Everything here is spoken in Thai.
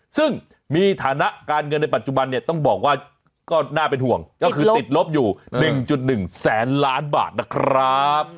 ซึ่งมีฐานะการเงินในปัจจุบันเนี่ยต้องบอกว่าก็น่าเป็นห่วงก็คือติดลบอยู่๑๑แสนล้านบาทนะครับ